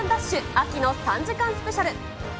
秋の３時間スペシャル。